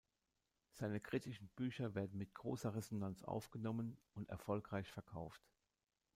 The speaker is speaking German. Seine kritischen Bücher werden mit großer Resonanz aufgenommen und erfolgreich verkauft.